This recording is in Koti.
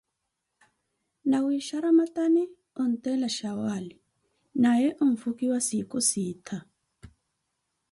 Nawiisha ramatani, onteela shawaali, naye onfukiwa siikho sittha.